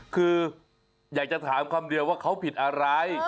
คืออยากจะถามคำเดียวว่าเขาผิดอะไร